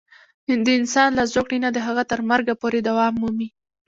د انسان له زوکړې نه د هغه تر مرګه پورې دوام مومي.